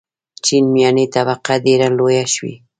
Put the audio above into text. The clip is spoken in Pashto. چین میاني طبقه ډېره لویه شوې.